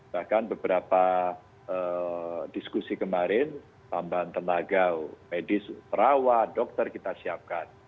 bahkan beberapa diskusi kemarin tambahan tenaga medis perawat dokter kita siapkan